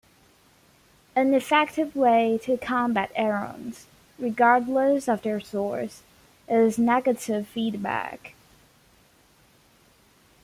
An effective way to combat errors, regardless of their source, is negative feedback.